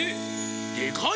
でかい！